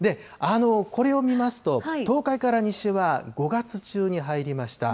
これを見ますと、東海から西は５月中に入りました。